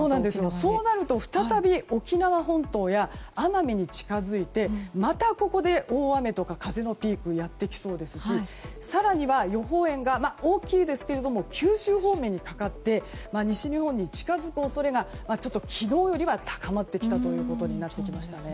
そうなると再び沖縄本島や奄美に近づいてまたここで大雨とか風のピークがやってきそうですし更には、予報円が大きいですが九州方面にかかって西日本に近づく恐れがちょっと昨日より高まってきたことになってきました。